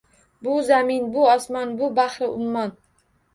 Bu zamin, bu osmon, bu bahri ummon.